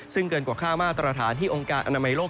ซึ่งเกินกว่าค่ามาตรฐานที่องค์การอนามัยโลก